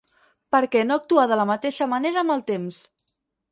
Per què no actuar de la mateixa manera amb el temps?